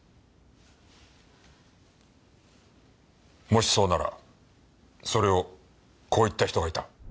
もしそうならそれをこう言った人がいた。